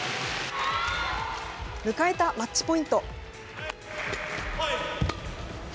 迎えたマッチポイント。